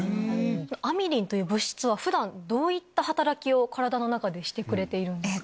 アミリンという物質は普段どういった働きを体の中でしてくれているんですか？